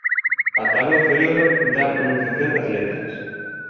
A táboa inferior dá a pronunciación das letras.